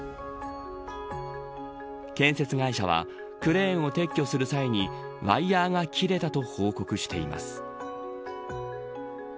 建設会社はクレーンを撤去する際にワイヤーが切れたと報告しています。